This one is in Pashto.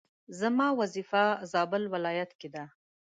زما وظيفه زابل ولايت کي ده